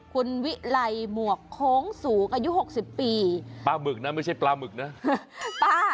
คุณวิไลหมวกโค้งสูงอายุหกสิบปีปลาหมึกนะไม่ใช่ปลาหมึกนะป้า